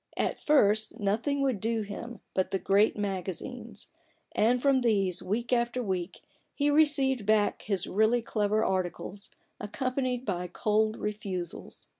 At first, nothing would do him but the great magazines ; and from these, week after week, he received back his really clever articles, accompanied by cold refusals.